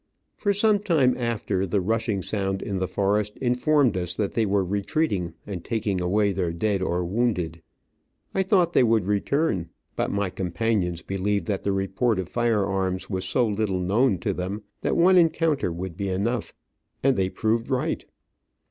For some time after, the rushing sound in the forest informed us that they were re treating and taking away their dead or wounded. I thought they would return, but my companions be lieved that the report of fire arms was so little known to them that one encounter would be enough— and they proved right.